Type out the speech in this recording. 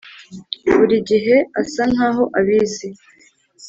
buri gihe asa nkaho abizi,